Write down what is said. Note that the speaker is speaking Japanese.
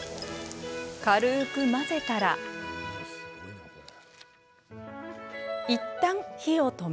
軽く混ぜたらいったん火を止め。